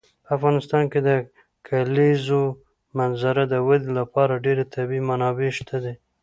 په افغانستان کې د کلیزو منظره د ودې لپاره ډېرې طبیعي منابع شته دي.